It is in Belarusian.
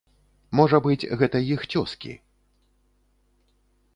Можа быць, гэта іх цёзкі.